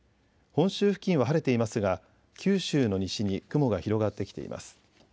本州付近は晴れていますが九州の西に雲が広がってきています。